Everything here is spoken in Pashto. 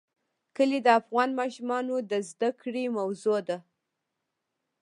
کلي د افغان ماشومانو د زده کړې موضوع ده.